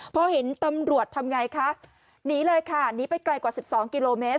พอเห็นตำรวจทำไงคะหนีเลยค่ะหนีไปไกลกว่า๑๒กิโลเมตร